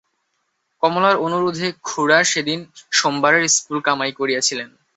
কমলার অনুরোধে খুড়া সেদিন সোমবারের স্কুল কামাই করিয়াছিলেন।